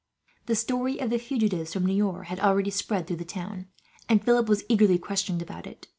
The story of the fugitives from Niort had already spread through the town, and Philip was eagerly questioned about it.